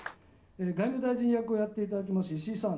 外務大臣役をやって頂きます石井さん。